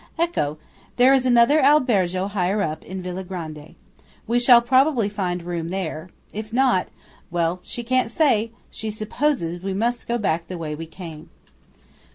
Ecco! There is another albergo higher up, in Villa Grande. We shall probably find room there. If not?–well, she can't say! She supposes we must go back the way we came.